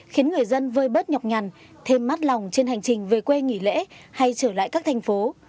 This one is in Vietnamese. khiến người dân vơi bớt nhọc nhằn thêm mát lòng trên hành trình về quê nghỉ lễ hay trở lại các thành phố